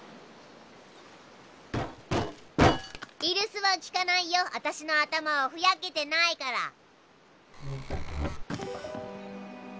居留守は効かないよ。あたしの頭はふやけてないから。